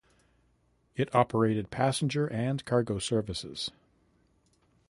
It operated passenger and cargo services.